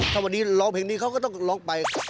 ถ้าวันนี้ร้องเพลงนี้เขาก็ต้องร้องไป